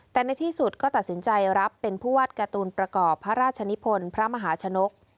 แต่ในที่สุดก็ตัดสินใจรับเป็นผู้วาดการ์ตูนประกอบพระราชนิพลพระมหาชนก